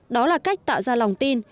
đó là cách tạo ra lòng tin